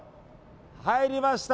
入りました。